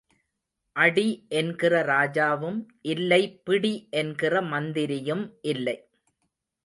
அடி என்கிற ராஜாவும் இல்லை பிடி என்கிற மந்திரியும் இல்லை.